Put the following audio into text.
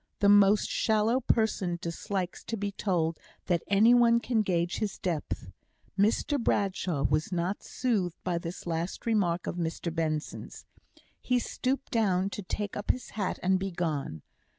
The most shallow person dislikes to be told that any one can gauge his depth. Mr Bradshaw was not soothed by this last remark of Mr Benson's. He stooped down to take up his hat and be gone.